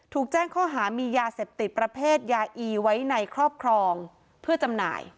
ถูกแจ้งข้อหามียาเสพติดประเภทยาอีไว้ในครอบครองเพื่อจำหน่าย